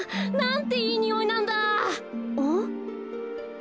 ん？